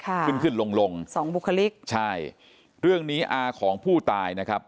ขึ้นขึ้นลงลงสองบุคลิกใช่เรื่องนี้อาของผู้ตายนะครับ